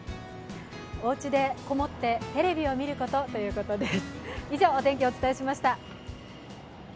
おうちにこもってテレビを見ることだそうです。